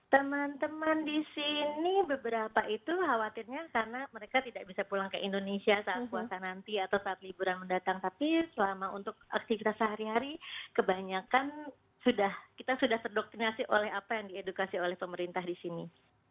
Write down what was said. teman teman di sini beberapa itu khawatirnya karena mereka tidak bisa pulang ke indonesia saat puasa nanti atau saat liburan mendatang tapi selama untuk aktivitas sehari hari kebanyakan kita sudah terdoktrinasi oleh apa yang diedukasi oleh pemerintah di sini